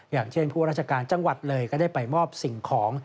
อย่างเช่นผู้ราชการจังหวัดเลยก็ได้ไปมอบสิ่งของ